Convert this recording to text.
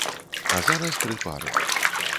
А зараз тры пары.